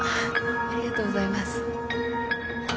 ありがとうございます。